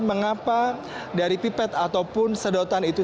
mengapa dari pipet ataupun sedotan itu